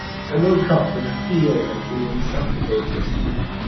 I woke up with a feeling of being suffocated.